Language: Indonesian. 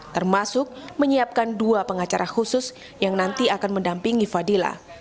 termasuk menyiapkan dua pengacara khusus yang nanti akan mendampingi fadila